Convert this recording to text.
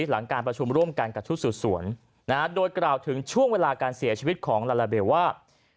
หลังการประชุมร่วมกันกับชุดสืบสวนโดยกล่าวถึงช่วงเวลาการเสียชีวิตของลาลาเบลว่า